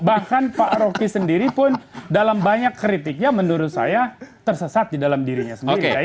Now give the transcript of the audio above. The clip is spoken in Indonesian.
bahkan pak rocky sendiri pun dalam banyak kritiknya menurut saya tersesat di dalam dirinya sendiri